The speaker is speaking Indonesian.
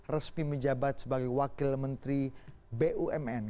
resmi menjabat sebagai wakil menteri bumn